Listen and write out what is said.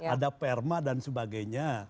ada perma dan sebagainya